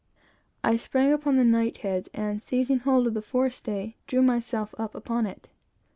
I sprang upon the knight heads, and seizing hold of the fore stay with my hands, drew myself upon it.